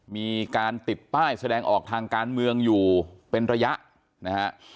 มีการติดป้ายแสดงออกทางการเมืองอยู่เป็นระยะนะฮะ